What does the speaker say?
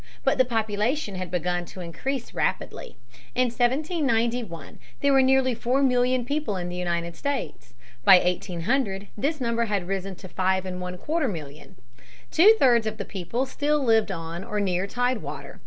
But the population had begun to increase rapidly. In 1791 there were nearly four million people in the United States. By 1800 this number had risen to five and one quarter millions. Two thirds of the people still lived on or near tide water.